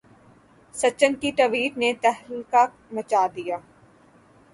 سچن کی ٹوئٹ نے تہلکہ مچا دیا